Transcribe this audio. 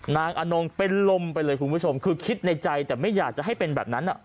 อนงเป็นลมไปเลยคุณผู้ชมคือคิดในใจแต่ไม่อยากจะให้เป็นแบบนั้น